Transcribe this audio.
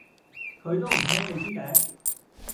佢都唔聽你支笛